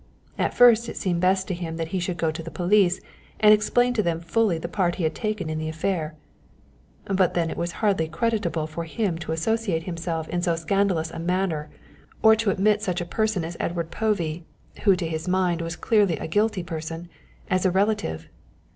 At first it seemed best to him that he should go to the police and explain to them fully the part he had taken in the affair. But then it was hardly creditable for him to associate himself in so scandalous a matter or to admit such a person as Edward Povey, who to his mind was clearly a guilty person, as a relative.